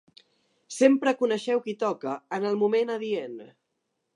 Sempre coneixeu qui toca, en el moment adient.